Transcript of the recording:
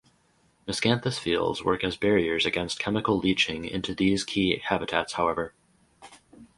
Miscanthus fields work as barriers against chemical leaching into these key habitats however.